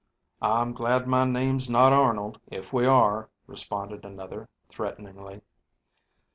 "I'm glad my name's not Arnold, if we are," responded another, threateningly.